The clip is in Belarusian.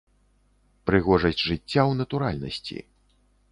Прыгожасць жыцця ў натуральнасці.